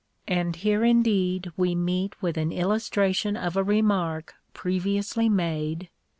And here indeed we meet with an illustration of a remark previously made (p.